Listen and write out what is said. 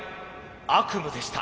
悪夢でした。